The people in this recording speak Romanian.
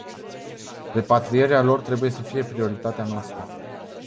Repatrierea lor trebuie să fie prioritatea noastră.